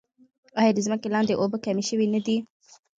آیا د ځمکې لاندې اوبه کمې شوې نه دي؟